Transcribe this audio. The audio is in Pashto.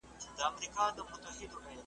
جهاني فال مي کتلی هغه ورځ به لیري نه وي .